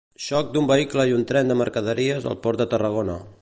Xoc d'un vehicle i un tren de mercaderies al Port de Tarragona.